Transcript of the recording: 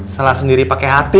salah sendiri pakai hati